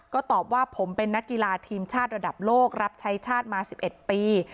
ก็ตอบว่าผมเป็นนักกีฬาทีมชาติระดับโลกรับใช้ชาติมา๑๑ปี